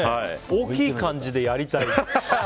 大きい感じでやりたいって。